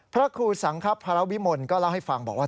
พระครูสังครับภารวิมลก็เล่าให้ฟังบอกว่า